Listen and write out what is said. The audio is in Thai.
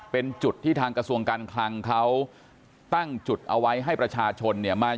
เป็นจุดที่ทางกระทรวงการคลังเขาตั้งจุดเอาไว้ให้ประชาชนเนี่ยมา